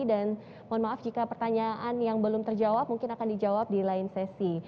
dan mohon maaf jika pertanyaan yang belum terjawab mungkin akan dijawab di lain sesi